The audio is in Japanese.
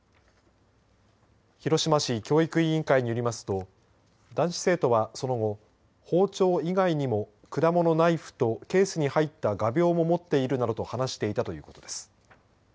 広島市教育委員会によりますと男子生徒は、その後包丁以外にも果物ナイフとケースに入った画びょうも持っているなどと話していたということです。